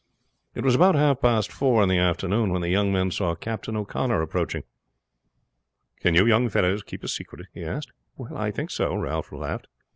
It was about half past four in the afternoon that the young men saw Captain O'Connor approaching. "Can you young fellows keep a secret?" he asked. "I think so," Ralph laughed.